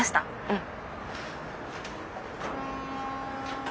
うん。